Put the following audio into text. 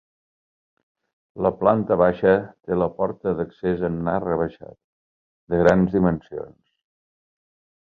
La planta baixa té la porta d'accés en arc rebaixat, de grans dimensions.